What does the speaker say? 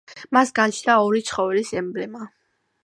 მას გააჩნდა ორი ცხოველის ემბლემა.